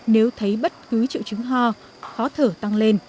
nếu thấy bất cứ triệu chứng ho khó thở tăng lên